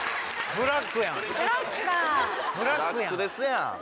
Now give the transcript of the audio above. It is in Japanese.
ブラックですやん。